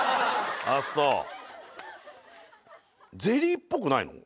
ああそうゼリーっぽくないの？